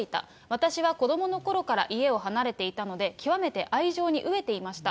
私は子どものころから家を離れていたので、極めて愛情に飢えていました。